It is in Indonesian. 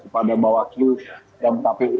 kepada mbak wakil dan kpu